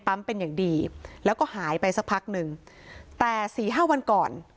เป็นอย่างดีแล้วก็หายไปสักพักหนึ่งแต่สี่ห้าวันก่อน